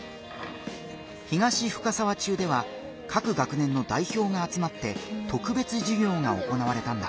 東深沢中では各学年の代表があつまって特別授業が行われたんだ。